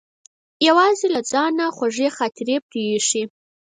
یوازې له ځانه خوږې خاطرې پرې ایښې.